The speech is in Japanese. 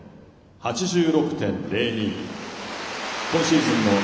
８６．０２。